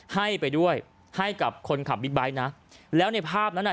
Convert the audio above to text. ให้ไปด้วยให้กับคนขับบิ๊กไบท์นะแล้วในภาพนั้นอ่ะ